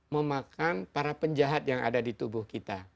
memakan para penjahat yang ada di tubuh kita